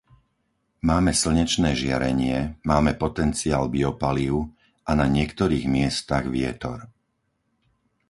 Máme slnečné žiarenie, máme potenciál biopalív, a na niektorých miestach vietor.